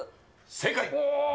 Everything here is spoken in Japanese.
正解。